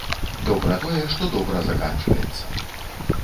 Добра тое, што добра заканчваецца.